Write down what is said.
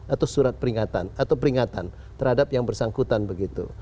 atau surat peringatan atau peringatan terhadap yang bersangkutan begitu